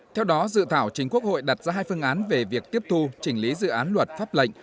theo đó dự thảo chính quốc hội đặt ra hai phương án về việc tiếp thu chỉnh lý dự án luật pháp lệnh